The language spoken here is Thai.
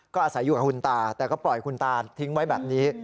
ก็อาศัยอยู่กับคุณตาแต่ก็ปล่อยคุณตาทิ้งไว้แบบนี้